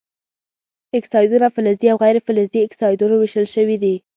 اکسایدونه فلزي او غیر فلزي اکسایدونو ویشل شوي دي.